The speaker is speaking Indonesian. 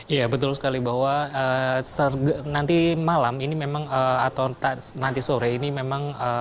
iya betul sekali bahwa nanti malam ini memang atau nanti sore ini memang